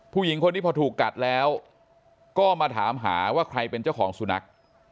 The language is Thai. ผู้หญิงคนนี้พอถูกกัดแล้วก็มาถามหาว่าใครเป็นเจ้าของสุนัข